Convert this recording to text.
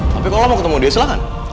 tapi kalau mau ketemu dia silahkan